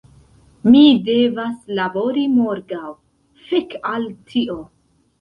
Mi devas labori morgaŭ, fek' al tio!